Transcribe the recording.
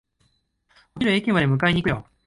お昼、駅まで迎えに行くよ。